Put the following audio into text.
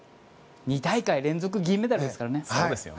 ２大会連続銀メダルですからね。